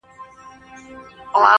او که د هغه قاتل ته شاباسی ورکول